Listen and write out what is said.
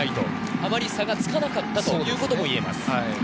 あまり差がつかなかったということもいえます。